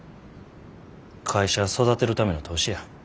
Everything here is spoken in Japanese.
会社育てるための投資や。